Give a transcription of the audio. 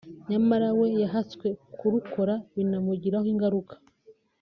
nyamara we yahaswe kurukora binamugiraho ingaruka